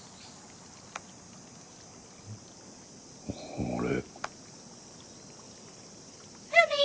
あれ？